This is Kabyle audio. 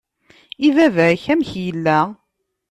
I baba-k, amek yella?